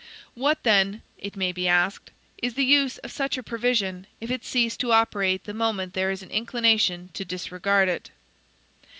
What then (it may be asked) is the use of such a provision, if it cease to operate the moment there is an inclination to disregard it?